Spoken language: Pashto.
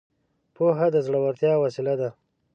پوهه د زړورتيا وسيله ده.